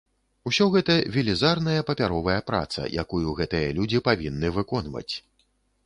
Усё гэта велізарная папяровая праца, якую гэтыя людзі павінны выконваць.